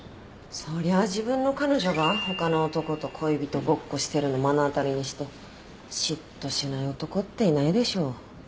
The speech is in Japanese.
そりゃあ自分の彼女が他の男と恋人ごっこしてるの目の当たりにして嫉妬しない男っていないでしょ。